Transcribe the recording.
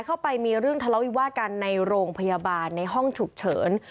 เข้าไปมีเรื่องทะเลาวิวาสกันในโรงพยาบาลในห้องฉุกเฉิน